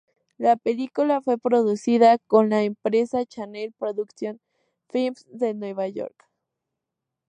La película fue producida por la empresa Channel Production Films de Nueva York.